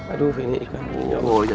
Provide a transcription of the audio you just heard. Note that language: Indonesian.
aduh ini ikannya